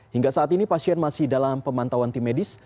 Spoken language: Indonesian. hingga saat ini pasien masih dalam pemantauan tim medis